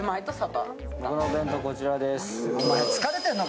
僕の弁当こちらです。